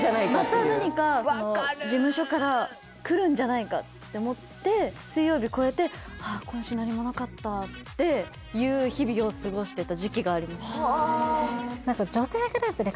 また何か事務所から来るんじゃないかって思って水曜日越えてっていう日々を過ごしてた時期がありました